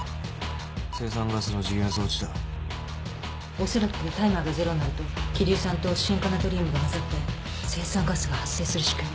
おそらくタイマーがゼロになると希硫酸とシアン化ナトリウムが混ざって青酸ガスが発生する仕組み。